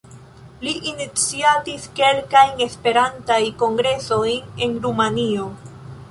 Li iniciatis kelkajn Esperantaj kongresojn en Rumanio.